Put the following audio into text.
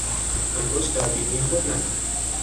انگشت در بینی خود نکن!